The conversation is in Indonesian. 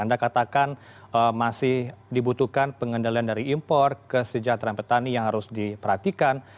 anda katakan masih dibutuhkan pengendalian dari impor ke sejahtera petani yang harus diperhatikan